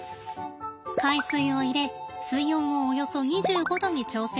海水を入れ水温をおよそ２５℃に調整します。